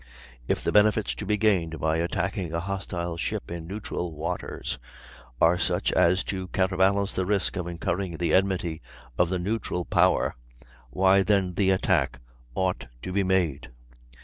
If the benefits to be gained by attacking a hostile ship in neutral waters are such as to counterbalance the risk of incurring the enmity of the neutral power, why then the attack ought to be made.